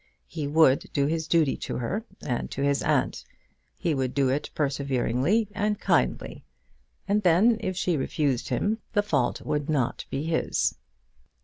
He would do his duty to her and to his aunt; he would do it perseveringly and kindly; and then, if she refused him, the fault would not be his.